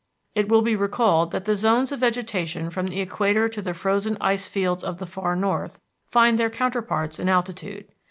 It will be recalled that the zones of vegetation from the equator to the frozen ice fields of the far north find their counterparts in altitude.